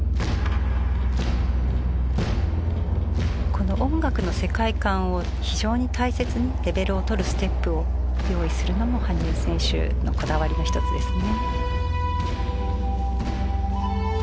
この音楽の世界観を非常に大切にレベルを取るステップを用意するのも羽生選手のこだわりの一つですね。